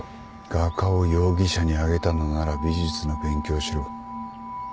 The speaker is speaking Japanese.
画家を容疑者にあげたのなら美術の勉強をしろ。